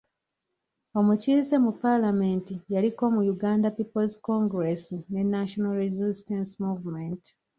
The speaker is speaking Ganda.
Omukiise mu palamenti yaliko mu Uganda people's congress ne National resistance movement.